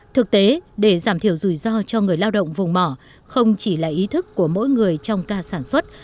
thực tế để giảm thiểu rủi ro cho người lao động vùng mỏ không chỉ là ý thức của mỗi người trong ca sản xuất